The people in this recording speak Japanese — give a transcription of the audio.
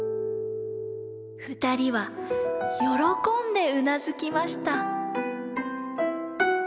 ふたりはよろこんでうなずきました。